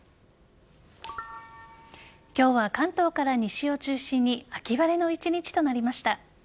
今日は、関東から西を中心に秋晴れの一日となりました。